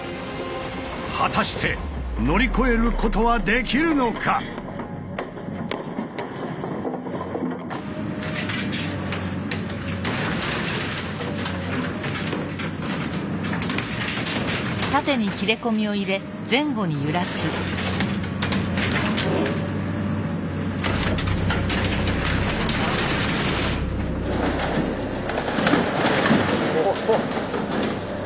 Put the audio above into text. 果たして乗り越えることはできるのか⁉おっお！